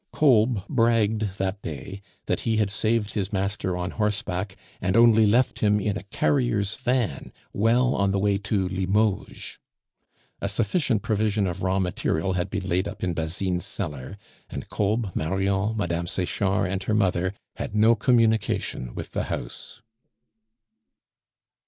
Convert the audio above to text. Kolb bragged that day that he had saved his master on horseback, and only left him in a carrier's van well on the way to Limoges. A sufficient provision of raw material had been laid up in Basine's cellar, and Kolb, Marion, Mme. Sechard, and her mother had no communication with the house.